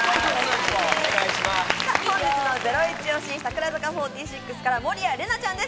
本日のゼロイチ推し、櫻坂４６から守屋麗奈ちゃんです。